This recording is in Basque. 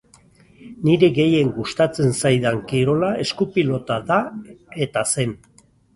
Niri gehien gustatzen zaidan kirola esku-pilota da eta zen.